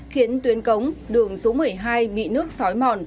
khiến tuyến cống đường số một mươi hai bị nước sói mòn